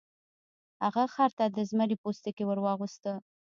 هغه خر ته د زمري پوستکی ور واغوسته.